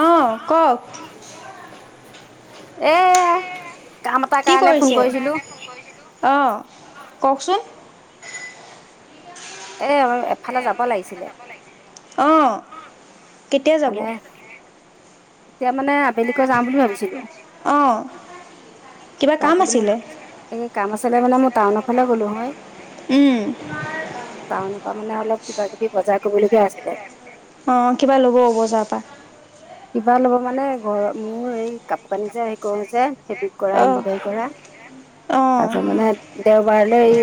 অ কক এয়া কি কৰিছে? অ কওকচোন? এ এফালে যাব লাগিছিলে। কেতিয়া যাব এতিয়া মানে আবেলিকৈ যাম বুলি ভাবিছিলো। তাকে কাম আছিলে মানে মই টাউনৰ ফালে গলো হয়। টাউনৰ পৰা মানে অলপ কিবা কিবি বজাৰ কৰিবলগীয়া আছিলে। অ কিবা ল'ব বজাৰ পা। কিবা ল'ব মানে ঘৰ মোৰ এই কাপোৰ কানি যে কৰো যে হেবিক কৰা এমব্ৰইডাৰী কৰা তাৰ পিছত মানে দেও বাৰলৈ এই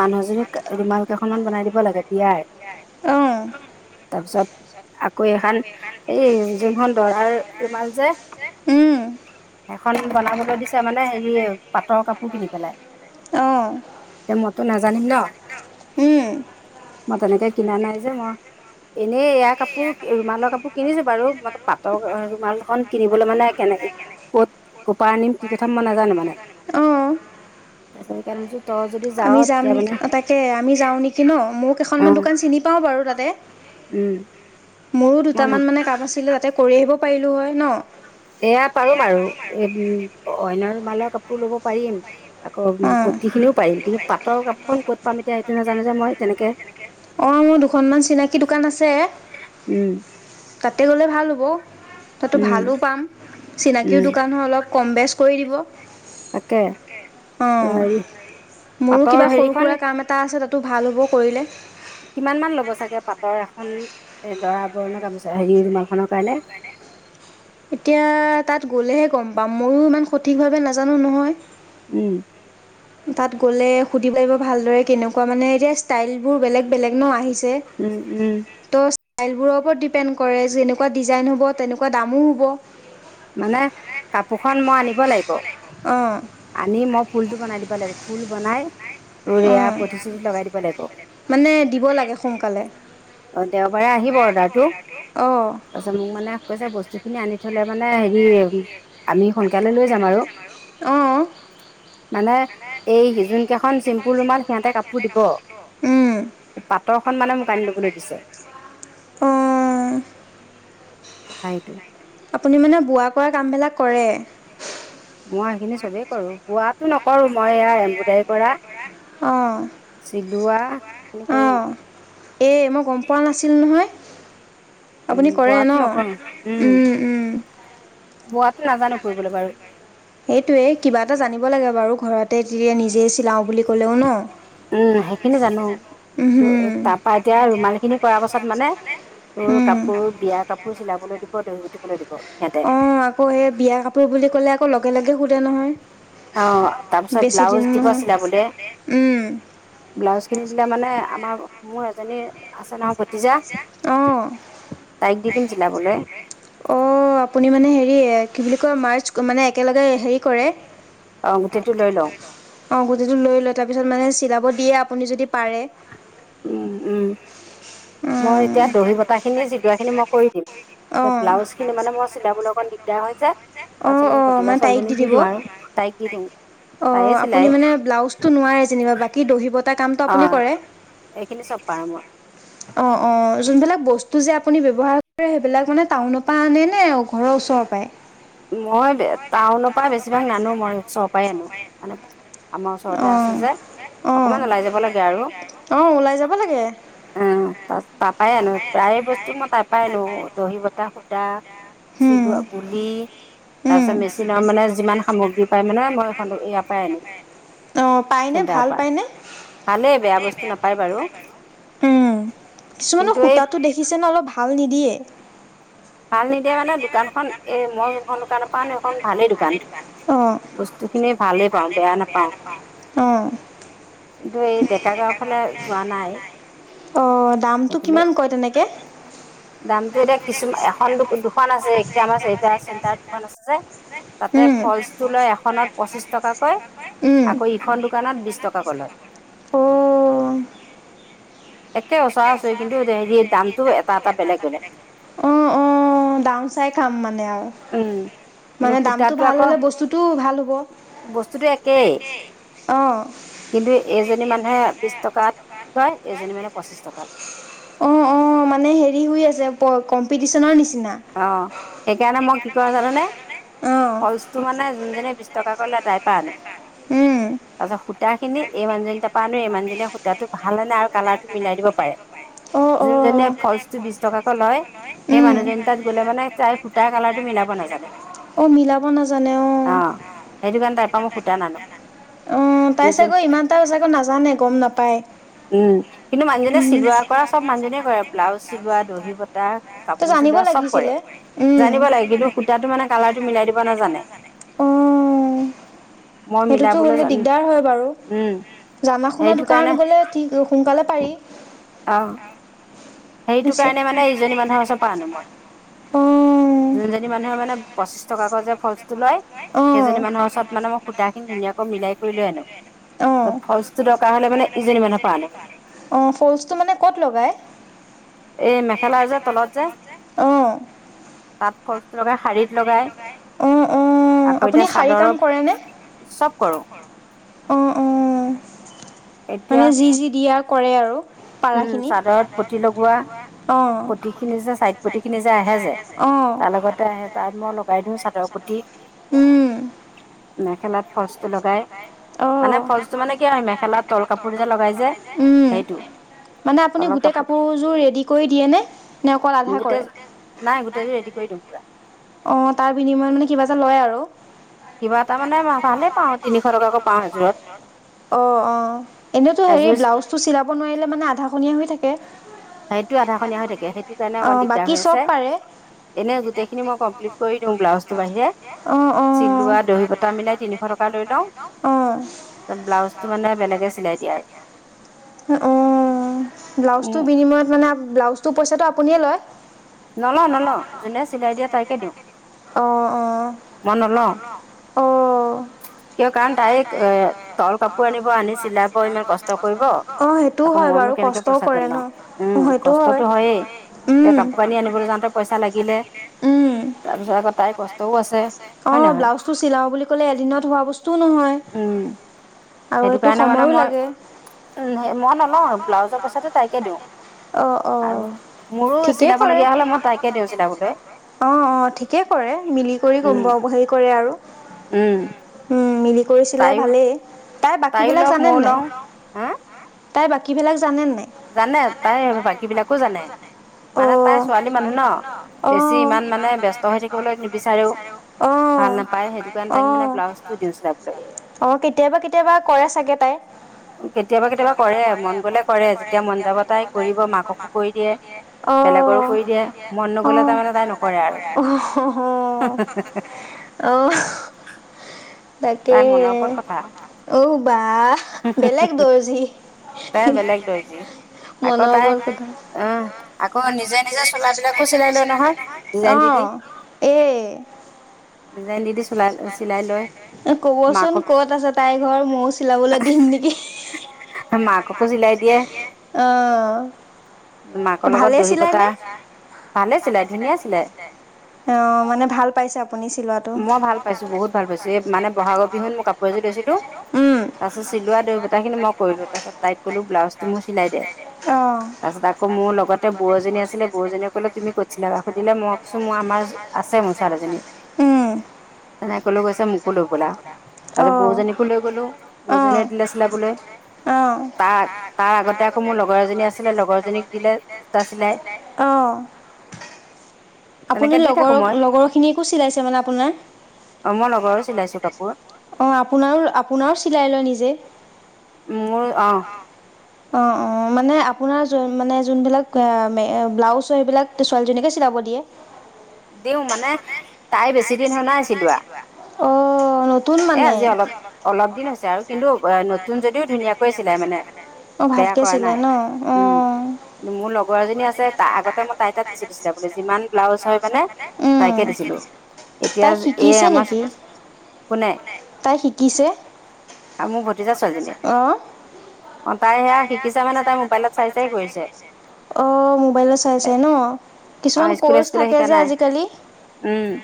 মানুহজনীক ৰুমাল কেইখনমান বনাই দিব লাগে বিয়াৰ তাৰপিছত আকৌ এখান এই যোনখন দৰাৰ ৰুমাল যে এখন বনাবলৈ দিছে মানে হেৰি পাটৰ কাপোৰ কিনি পেলাই। এতিয়া মইতো নাজানিম ন। মই তেনেকে কিনা নাই যে মই এনেই এয়া কাপোৰ ৰুমালৰ কাপোৰ কিনিছো বাৰু। পাটৰ ৰুমাল খন কিনিবলৈ মানে কেনেক- কত ক'পা আনিম কি কথা মই নাজানো মানে তাৰপিছত সেইকাৰণে- আমি যাম তাকে আমি যাওঁ নেকি ন মোক কেইখনমান দোকান চিনি পাওঁ বাৰু তাতে। উম মোৰো দুটামান মানে কাম আছিলে তাতে কৰি আহিব পাৰিলোঁ হয় ন এয়া পাৰিম আৰু এ অইনৰ মালৰ কাপোৰ লব পাৰিম আকৌ পটি সেইখিনিও পাৰিম কিন্তু পাটৰ কাপোৰ ক'ত পাম এতিয়া এইটো নাজানো যে মই তেনেকে অ দুখনমান চিনাকী দোকান আছে। তাতে গ'লে ভাল হ'ব তাতো ভালো পাম। চিনাকি দোকান হ অলপ কম বেচ কৰি দিব। অ মোৰো কিবা সৰু সুৰা কাম এটা আছে তাতো ভাল হ'ব কৰিলে। কিমান মান ল'ব চাগে পাটৰ এখন এ দৰা বৰণৰ কামি হেৰি ৰুমাল খনৰ কাৰণে। [unintelligible] এতিয়া তাত গলেহে গম পাম ময়ো ইমান সঠিক ভাৱে নাজানো নহয়। উম। তাত গ'লে সুধিব লাগিব ভালদৰে কেনেকোৱা মানে এতিয়া ষ্টাইল বোৰ বেলেগ বেলেগ ন আহিছে। ত' ষ্টাইলবোৰৰ ওপৰত ডিপেণ্ড। কৰে যেনেকোৱা ডিজাইন হ'ব তেনেকোৱা দামো হ'ব। মানে কাপোৰখন মই আনিব লাগিব। অহঁ। ফুলটো বনাই দিব লাগে ফুল বনাই। য়া প্ৰতিশ্ৰুতি লগাই দিব লাগিব। অ দেওবাৰে আহিব অৰ্ডাৰ টো তাৰপিছত মোক মানে কৈছে বস্তু। বস্তু খিনি আনি থলে মানে হেৰি আমি সোনকালে লৈ যাম আৰু। মানে এই যোন। উম। অহ। কথা এইটোৱেই। আপুনি মানে বোৱা কৰা কামবিলাক কৰে। মই সেইখিনি চবেই কৰোঁ পোৱাতো নকৰোঁ মই এয়া এম্ব্ৰইডাৰী কৰা। অহঁ। লোৱা। অঁ এই মই গম পোৱা নাছিলোঁ নহয়। আপুনি কৰে ন উম উম। সেইটোয়ে কিবা এটা জানিব লাগে বাৰু ঘৰতে তেতিয়া নিজে। অ বুলি ক'লেও ন। উম সেইখিনি জানো। তাৰ পা এতিয়া ৰুমাল খিনি বৰা পিছত মানে তোৰ কাপোৰ বিয়াৰ কাপোৰ চিলাব। দিব দহিবাতিবলৈ দিব। অ আকৌ সেই বিয়া কাপোৰ বুলি ক'লে আকৌ লগে লগে সুধে নহয়। অ তাৰপিছত ব্লাউজ দিব আছিলে বোলে। ব্লাউজ কিনি দিলে মানে আমাৰ মোৰ এজনী আছে নহয় ভতিজা। অহ। দি দিম চিলাবলৈ। অ আপুনি মানে হেৰি কি বুলি কয় মাৰ্চ মানে একেলগে হেৰি কৰে। অ গোটেইটো লৈ লওঁ। অঁ গোটেইটো লৈ লয় তাৰপিছত মানে চিলাব দিয়ে আপুনি যদি পাৰে। উম উম মই এতিয়া দহি বতাহ খিনি জিলোৱা খিনি মই কৰি দিম। ব্লাউজ খিনি মানে মই চিলাবলৈ অকণ দিগদাৰ হৈ যে। তাৰপছত ভতিজা ছোৱালীজনীক দি দিওঁ আৰু তাইক দি দিওঁ। অ আপুনি মানে ব্লাউজ টো নোৱাৰে যেনিবা বাকী দহিব। এটা কামটো আপুনি কৰে। অঁ অঁ যোনবিলাক বস্তু যে আপুনি ব্যৱহাৰ কৰে সেইবিলাক মানে টাউনৰ পৰা আনে নে ঘৰৰ ওচৰত। উপাই। মই টাউনৰ পৰা বেছিভাগ নানো মই ওচৰৰ পৰাই আনো মানে। আমাৰ ওচৰতে আছে যে অকমান ওলাই যাব লাগে আৰু। অঁ তাৰছ তাৰাপই আনো প্ৰায় বস্তু মই তাৰ পৰাই আনো দহি বতাহ সূতা। চিলোৱা গুলি। তাৰপিছত মেচিনৰ মানে যিমান সামগ্ৰী পায় মানে মই ইয়াৰ পৰাই আনো। চিন্তাৰ পৰা ভালেই বেয়া বস্তু নাপায় বাৰু কিছুমানৰ সূতাটো দেখিছেনে অলপ ভাল নিদিয়ে ভাল নিতিয়া মানে দোকানখন মোৰান এখন ভালেই দোকান ভালে পাওঁ বেয়া নাপাও উ এই ডেকা গাওঁখনে যোৱা নাই অঁ দামটো কিমান কয় তেনেকে দামতটো এতিয়া কিছুমান এখন দুখন আছেকেইতিয়া আমাৰ এতিয়া চেণ্টাৰত দুখন আছে যে তাতে ফলচটো লয় এখনত পঁচিশ টকাকৈ আকৌ ইখন দোকানত বিশ টকাকৈ লয় অঁ একে ওচৰাওচৰি কিন্তু হেৰি দামটো এটাত অঁ অঁ ডাউন চাই খাম মানে আৰু মানে দামতটো ভাল হলে বস্তুতটো ভাল অঁ অঁ কিন্তু এজনী মানুহে বিশ টকাহ অঁ অঁ অ মানে হেৰি হৈ আছে প কম্পিটিশনৰ নিচিনা অ সেইকাৰণে মই কি কৰা জানো নে ফলচটো মানে যোনজনে বিশ টকা কৰিলে তাইৰ পৰা আনো তাৰপিছতু সূতা খিনি এইমানজনী ত পৰাৰা আনো এইমানজনীয়ে সূতাটো ভালে নাই আৰু কালাৰটো মিলাই দিব পাৰে যোন নে ফলচটো বি টকাকৈ লয় সেই মানুহজনী তাত গলে মানে তাই সূতা কালাৰটো মিলাব নাজানে অ সেইটো কাৰণে তাৰাইপ পৰা মই সূতা নানো অ পাই চাগৈ ইমান টা চাগ নাজানে গম নাপায় উম কিন্তু মানুহজনে চিলোৱা কৰা চব মানুহজনে কৰে ব্লাউজ চিলোৱা দহি বতাহ কাপোৰ জলোৱা চব কৰে জানিব লাগে কিন্তু সুতাটো মানে কালাৰটো মিলাই দিব নাজানে উম সেইটোতো গলে দিগদাৰ হয় বাৰু জানা শুনা দোকান গলে কি সোনকালে পাৰি সেইটো কাৰণে মানে ইজনী মানুহৰ ওচৰত পৰা আনো মই যোনজনী মানুহে মানে পঁচিশ টকা আ যে ফজটো লয় সেইজনী মানুহৰ ওচৰত মানে মই সূতা খিনি ধুনীয়াকৈ মিলাই কৰি লৈ আনো ত ফলচটো দৰকাৰ হলে মানে ইজনী মানুহ অঁ ফলচটো মানে ক'ত লগাই এ মেখেলা আহঁ তাত ফলচ লগাই শাৰীত লগাই আকৌ এতিয়া চাদৰ চব কৰো উম মানে যি যি দিয়া কৰে আৰু উম চাদৰত পতি লগোৱা পতি খিনি যে চাইড পতি খিনি যে আহে যে তাৰ লগতে আহে তাত মই লগাই দিওঁ ছাতৰ প্ৰতি মেখেলাত অঁ অঁ মানে ফচলটো মানে কি মেখেলা তৰ কাপোৰ যে লগাই যায় মানে আপুনি গোটেই কাপোৰযোৰ ৰেডি কৰি দিয়ে নে নে অকল আধা কৰে অঁ তাৰ বিনিময়ত মানে কিবা এটা লয় আৰু কিবা তাৰ মানে ভালে প অঁ অঁ এনেইতো হেৰি ব্লাউজ টো চিলাব নোৱাৰিলে মানে আধাখনীয়া হৈ থাকে সেইটো আধাখনীয়া হৈ থাকে সেইটো কাৰণে অকণ দিগদাৰ হৈ আছে এনে গোটেইখিনি মই কমপ্লিট কৰি দিওঁ ব্লাউজটো বাহিৰে চিলোৱা দহি প অঁ উ ব্লাউজ টো বিনিময় মানে ব্লাউজটো পইচাটো আপনিয়ে লয়? নলওঁ নলওঁ জোনে চিলাই দিয়ে তাইকে দিওঁ, অঁ অঁ। মই নলওঁ। [inaudible] কিয় কাৰণ তাই্ক এ তল কাপোৰ আনিব আনি চিলাব ইমান কষ্ট কৰিব মইনো কেনেকে পইচাতে লাওঁ উম কষ্টতটো হয়য়েই এতিয়া কা [inaudible] উম [inaudible] অহ ব্লাউজ টো চিলাও বুলি কলে এদিনত হোৱা বস্তু নহয় আৰু এইটো সময়ো লাগে। [inaudible] আহ আহ। ঠিকে কৰে [inaudible] অ অ ঠিকে কৰে মিলি কৰি গম ব হেৰি কৰে আৰু উম। কৰিছিলে ভালেই, তাই বাকী বিলাক জানে নে নাই? তাই বাকী বিলাক জানে নাই? জানে তাই বাকী বিলাকো জানে। অঁ ত ছোৱালী মানুহ ন অ ইমান মানে ব্যস্ত হৈ থাকিবলৈ নিবিচাৰে অ। ভাল নাপায় সেইটো অঅঁ আহ কেতিয়াবা কেতিয়াবা কৰে চাগে তাই? কেতিয়াবা কেতিয়াবা কৰে মন গলে কৰে। [inaudible] অঁ অঁ অঁ। [inaudible] অ আহ [unintelligible] [inaudible] তাকে। আউ বা বেলেগ দৰ্জি তাই বেলেগ দৰজি। আকৌ তাই অ আকৌ নিজে নিজে চোলাবিলাকো চিলাই লয় নহয়, ডিজাইন দি দি। অঁ এ ডিজাইন দি দি চাই চিলাই লয়। ক'বচোন ক'ত আছে তাইৰ ঘৰ ময়ও চিলাবলৈ দিম নেকি। [unintelligible] অঁ ভালেই চিলাই নে? ভালে চিলাই ধুনীয়া চিলাই, অ মানে ভাল পাইছে আপুনি চিলোৱাটো? পাইছো বহুত ভাল পাইছো এ মানে বহাগৰ বিহুত মই কাপোৰ এযোৰ লৈছিলো তাৰপিছত চিলোৱা দহি কতা খিনি মই কৰিলো তাৰপিছত তাইক কলো ব্লাউজটো মোৰ চিলাই দে। তাৰপিছত আকৌ মোৰ লগতে বৌজনী আছিলে বৌজনীয়ে কলে তুমি কত ছিলাবা? সুধিলে মই কৈছোঁ মই আমাৰ আ মোৰ ছোৱালীজনী তেনে কলো কৈছে মোকো লৈ বলা। তাৰপিছত বৌজনীকো লৈ গলো বৌজনীয়ে দিলে চিলাবলে। তাৰ তাৰ আগতে আকৌ মোৰ লগৰ এজনী আছে [unintelligible] অঁ। আপুনি লগৰ লগৰখিনিকো চিলাইছে মানে আপোনাৰ? মোৰ লগৰো চলাইছিলো আক। অ আপোনাৰো আপোনাৰো চিলাই লয় নিজে? উম মোৰ অঁ। অঁ অ মানে আপোনাৰ যোন মানে যোনবিলাক এ মে ব্লাউজ হয় সেইবিলাক ছোৱালীজনীকে চিলাব দিয়ে। দিওঁ মানে তাই বেছি দিন নাইছিলোৱা নতুন মানে?, এ অজি অলপ দিন হৈছে, আৰু কিন্তু নতুন যদিও ধুনিয়াকৈয়ে চিলাই মানে। অ ভাল ভালকে চিলাই ন? অ কিন্তু মোৰ লগৰ এজনী আছে আগতে মই তাই তাত দিচি দিছিলা বো যিমান ব্লাউজ হয় মানে তাইকে দিছিলো। এতিয়া এই আমাৰ একো নাই আৰু মোৰ ভতিজা আহ। তাই সেইয়া শিকিছে মানে, তাই মোবাইলত চাই চাই কৰিছে। মোবাইলত চাই চাই ন কিছুমান কৰ্চ থাকে যে আজিকালি উম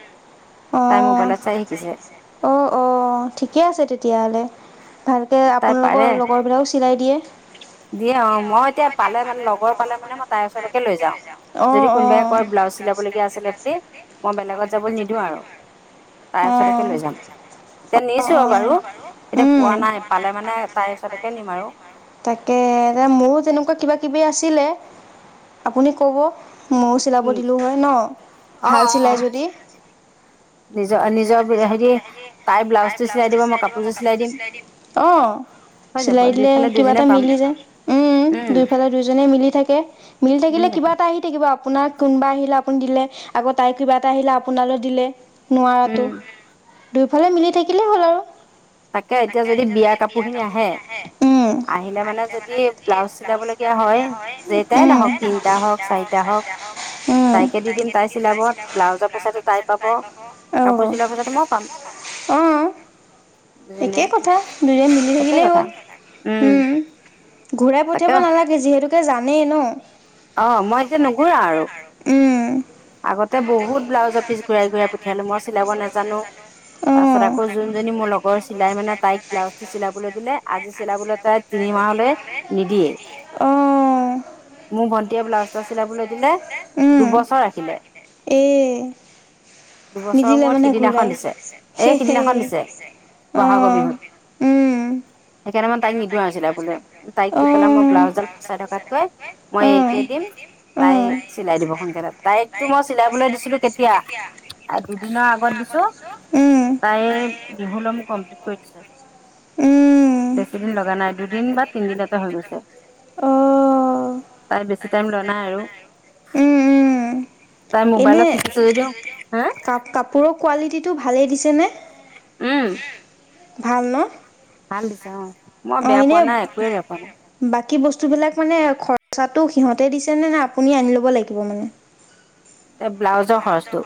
অ অঁ অঁ ঠিকে আছে তেতিয়াহ'লে ভালকৈ আপোনালোকৰ লগৰবিলাকচিলাই দিয়ে দিয়ে অ মই এতিয়া পালে মানে লগৰ পালে মানে মই তাইৰ ওচৰলৈকে লৈ যাও যদি কোনোবাই কয় ব্লাউজ চিলাবলগীয়া আছিলে বুলি মই বেলেগত যাবলৈ নিদিওঁ আৰু তাই ওচৰকে লৈ যাম এতিয়া নিছো বাৰু এতিয়া পোৱা নাই পালে মানে তাৰ ওচৰকে নিম আৰু তাকে এ মোৰো তেনেকুৱা কিবা কিবি আছিলে আপুনি কব ময়ো চিলাব দিলো হয় ন ভাল চিলাই যদি নিজৰ নিজৰ হেৰি তাই ব্লাউজটো চিলাই দিব মই কাপোৰটো চিলাই দিম অহ চিলাই দিলে কিবা এটা মিলি যায় উম উম দুইফালে দুইজনে মিলি থাকে মিলি থাকিলে কিবা এটা আহি থাকিব আপোনাক কোনোবা আহিলে আপুনি দিলে আকৌ তাই কিবা এটা আহিলে আপোনালৈ দিলে নোৱাৰো তো দুইফালে মিলি থাকিলেই হ'ল আৰু তাকে এতিয়া যদি বিয়া কাপোৰ খিনি আহে উম আহিলে মানে যদি ব্লাউজ চিলাব লগিয়াহয় তিনিটা হওক চাৰিটা হওঁক উম উম চিলাব ব্লাউজৰ পঁইচাটো তাই পাব- অঁ অঁ একে কথা দুয়োৰে মিলি থাকিলেই হ'ল উম ঘূৰাই পঠিয়াব নালাগে যিহেতুকে জানেই ন অ মই এতিয়া নকৰা আৰু উম আগতে বহুত ব্লাউজ পিচ ঘূৰাই ঘূৰাই পঠিয়ালো মই চিলাব নাজানো তাৰ পাছত আকৌ যোনজনী মোৰ লগৰ চিলাই মানে তাইক ব্লাউজটো চিলাবলৈ দিলে- আজি চিলাব তাই তিনি মাহলে নিদিয়ে মোৰ ভণ্টিয় ব্লাউজ এটা চিলাবলৈ দিলে দুবছৰ- এ দুবছৰৰ মূৰত সিদিনাখন দিছে এই সিদিনাখন দিছে বহাগৰ বিহুত সেইকাৰণে মই তাইক নিদিওঁ আৰুচিলাবলৈ বোলৈ তাইক দি পেলাই মই ব্লাউজডাল ফচাই থকাতকৈ মই এইকে দিম তাই চিলাই দিব সোনকালে তাই তো মই চিলাইবলৈ দিছিলো কেতিয়া দুদিনৰ আগত দিছো তাই বিহুলৈমোক কমপ্লিট কৰি দিছে। বেছি দিন লগা নাই দুদিন বা তিনদিনতে হৈ গৈছে। তাই বেছি টাইম লোৱা নাই আৰু তাই মোবাইল শিকিছে যদিও কা কা কাপোৰৰ কোৱালিটিটো ভালেই দিছেনে উম ভাল ন ভাল দিছো অহ অৱ এনেই, বাকী বাকী বস্তুবিলাক মানে খৰচাটো সিহঁতে দিছে নে আপুনি আনি ল'ব লাগিব মানে। এ ব্লাউজৰ খৰচটো